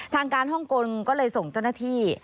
ทางการฮ่องกงก็เลยส่งเจ้าหน้าที่